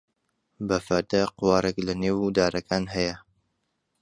بە فەردە قوارگ لەنێو دارەکان هەیە.